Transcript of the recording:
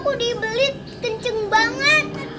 aku dibeli kenceng banget